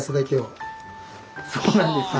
そうなんですね。